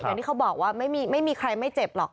อย่างที่เขาบอกว่าไม่มีใครไม่เจ็บหรอก